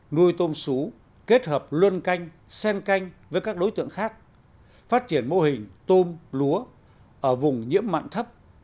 nuôi tôm sú kết hợp luân canh sen canh với các đối tượng khác phát triển mô hình tôm lúa ở vùng nhiễm mặn thấp